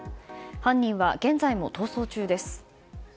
犯人は現在も逃走中です。